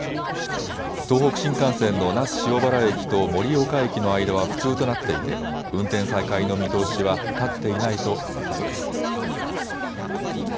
東北新幹線の那須塩原駅と盛岡駅の間は不通となっていて運転再開の見通しは立っていないということです。